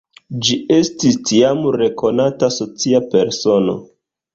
Ĝi estis tiam rekonata socia persono.